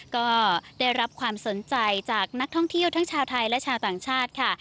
ก็ได้รับความสนใจจากนักท่องเที่ยวทั้งชาวไทยและชาวต่างชาติค่ะ